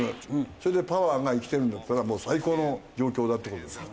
それでパワーが生きてるんだったらもう最高の状況だって事ですよ。